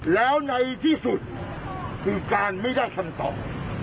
แล้วในที่สุดคือการไม่ได้คำตอบ